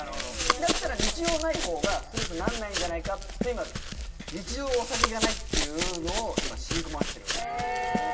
だったら日常ないほうがストレスになんないんじゃないかって今日常お酒がないっていうのを今染み込ませてる。